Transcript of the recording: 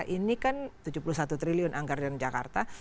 ini kan tujuh puluh satu triliun anggaran jakarta